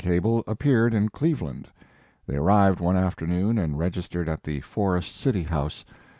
Cable appeared in Cleveland. They arrived one afternoon and regis tered at the Forest City House.